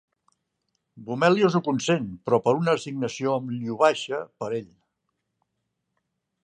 Bomelius ho consent, però per una assignació amb Lyubasha per a ell.